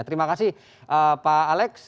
terima kasih pak alex